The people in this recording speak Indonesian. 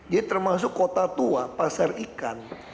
dia termasuk kota tua pasar ikan